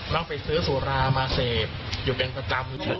แล้วไปซื้อสุรามาเสพอยู่เป็นประจำ